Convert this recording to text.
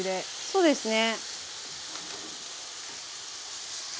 そうですね。